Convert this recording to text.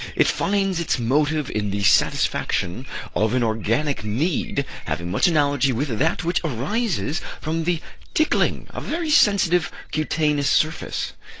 It finds its motive in the satisfaction of an organic need having much analogy with that which arises from the tickling of a very sensitive cutaneous surface.